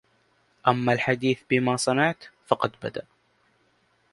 أما الحديث بما صنعت فقد بدا